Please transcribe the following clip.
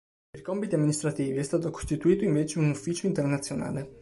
Per i compiti amministrativi è stato costituito invece un Ufficio internazionale.